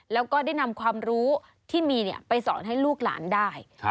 แล้วก็ได้นำความรู้ที่มีไปสอนให้ลูกหลานได้